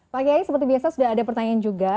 pak kiai seperti biasa sudah ada pertanyaan juga